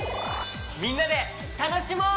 みんなでたのしもう！